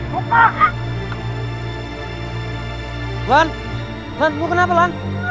wulan mau kenapa lan